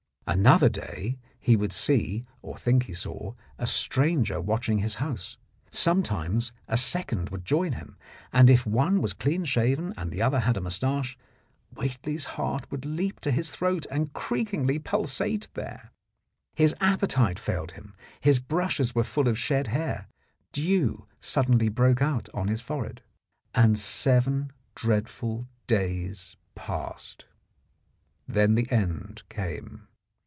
Another day he would see or think he saw a stranger watching his house. Sometimes a second would join him, and if one was clean shaven and the other had a moustache, Whately's heart would leap to his throat and creakingly pulsate there. His appe tite failed him; his brushes were full of shed hair; dew suddenly broke out on his forehead. And seven dreadful days passed. Then the end came.